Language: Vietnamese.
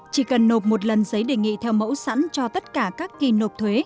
chỉ cần nộp một lần giấy đề nghị theo mẫu sẵn cho tất cả các kỳ nộp thuế